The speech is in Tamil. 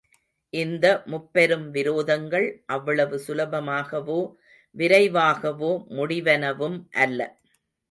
இந்த முப்பெரும் விரோதங்கள் அவ்வளவு சுலபமாகவோ, விரைவாகவோ முடிவனவும் அல்ல.